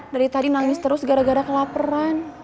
dari tadi nangis terus gara gara kelaparan